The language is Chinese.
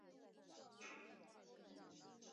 斑点短浆蟹为梭子蟹科短浆蟹属的动物。